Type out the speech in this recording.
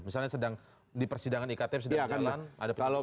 misalnya sedang di persidangan iktf sedang berjalan